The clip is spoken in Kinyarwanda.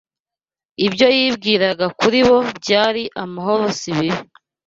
Ibyo yibwiraga kuri bo byari amahoro si ibibi